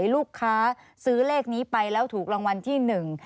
หรือลูกค้าซื้อเลขนี้ไปแล้วถูกรางวัลที่๑